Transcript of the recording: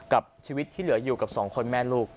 กับชีวิตที่เหลืออยู่กับสองคนแม่ลูก